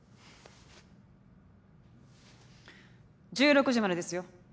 １６時までですよ。